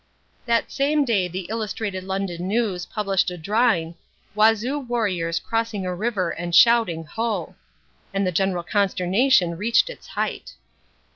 That same day the Illustrated London News published a drawing "Wazoo Warriors Crossing a River and Shouting, Ho!" and the general consternation reached its height.